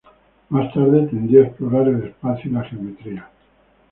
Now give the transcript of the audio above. Más tarde tendió a explorar el espacio y la geometría.